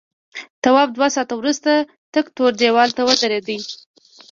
تواب دوه ساعته وروسته تک تور دیوال ته ودرېد.